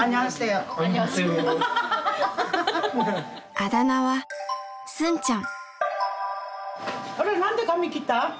あだ名はスンちゃん！